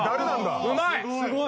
うまい！